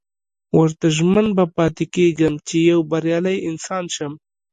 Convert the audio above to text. ورته ژمن به پاتې کېږم چې يو بريالی انسان شم.